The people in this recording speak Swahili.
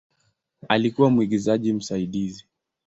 Alikuwa mwigizaji msaidizi.